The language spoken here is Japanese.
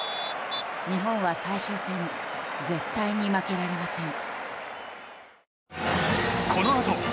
日本は最終戦絶対に負けられません。